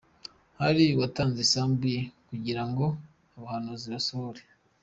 Hari uwatanze isambu ye kugira ngo ubuhanuzi busohore.